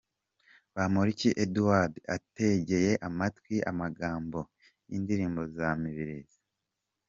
Bamporiki Edouard ataegeye amatwi amagambo y'indirimbo za Mibirizi.